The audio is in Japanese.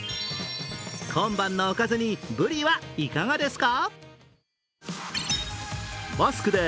今晩のおかずに、ぶりはいかがですか。